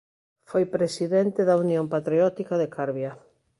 Foi presidente da Unión Patriótica de Carbia.